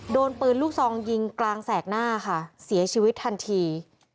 โดนปืนลูกซองยิงกลางแสกหน้าค่ะเสียชีวิตทันที